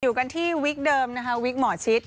อยู่กันที่วิทย์เดิมนะครับวิทย์หมอชิด